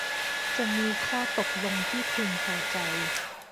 จะมีข้อตกลงที่พึงพอใจ